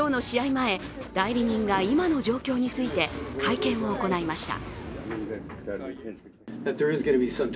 前、代理人が今の状況について会見を行いました。